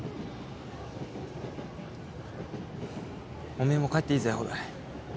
おめえも帰っていいぜ伍代。